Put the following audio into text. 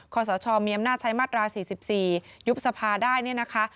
สชมีอำนาจใช้มาตรา๔๔ยุบสภาได้เนี่ยนะคะ